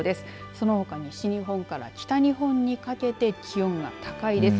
そのほか西日本から北日本にかけて気温が高いです。